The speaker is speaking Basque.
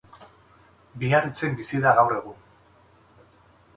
Biarritzen bizi da gaur egun.